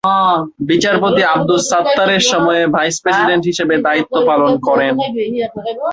বিচারপতি আব্দুস সাত্তারের সময়ে ভাইস প্রেসিডেন্ট হিসেবে দায়িত্ব পালন করেন।